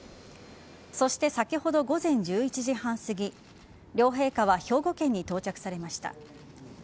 そして先ほど午前１１時半すぎ両陛下は兵庫県に到着されました。